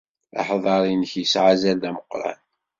Aḥdaṛ-nnek yesɛa azal d ameqran.